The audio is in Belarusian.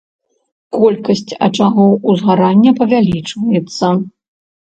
Колькасць ачагоў узгарання павялічваецца.